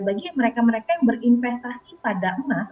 bagi mereka mereka yang berinvestasi pada emas